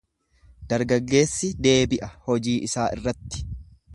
Dargaggeessi deebi'a hojii isaa irratti.